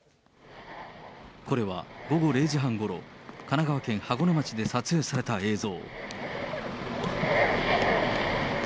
これは、午後０時半ごろ、神奈川県箱根町で撮影された映像。